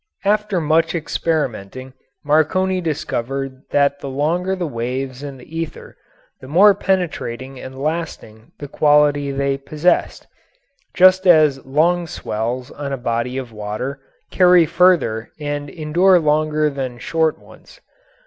After much experimenting Marconi discovered that the longer the waves in the ether the more penetrating and lasting the quality they possessed, just as long swells on a body of water carry farther and endure longer than short ones.